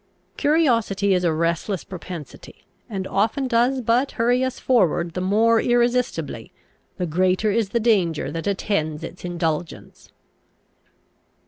Curiosity is a restless propensity, and often does but hurry us forward the more irresistibly, the greater is the danger that attends its indulgence.